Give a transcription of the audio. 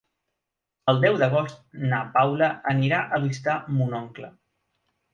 El deu d'agost na Paula anirà a visitar mon oncle.